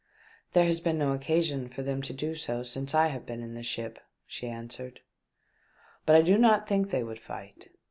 '* There has been no occasion for them to do so since I have been in the ship," she answered. " But I do not think they would fight.